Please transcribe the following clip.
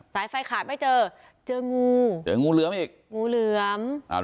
สายไฟขาดไม่เจอเจองูเจองูเหลือมอีกงูเหลือมอ่า